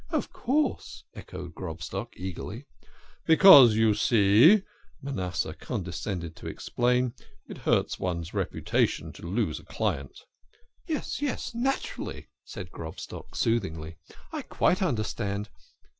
" Of course," echoed Grobstock eagerly. " Because you see," Manasseh condescended to explain, " it hurts one's reputation to lose a client." " Yes, yes, naturally," said Grobstock soothingly. " I quite understand."